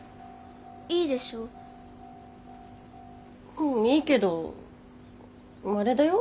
うんいいけどあれだよ。